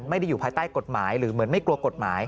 อยู่ภายใต้กฎหมายหรือเหมือนไม่กลัวกฎหมาย